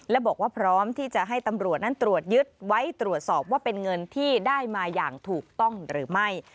และบอกว่าพร้อมที่จะให้ตำรวจนั้นตรวจยึดไว้ตรวจสอบว่าเป็นเงินที่ได้มาอย่างถูกต้องหรือไม่